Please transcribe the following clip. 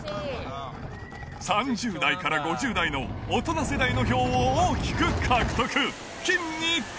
３０代から５０代の大人世代の票を大きく獲得。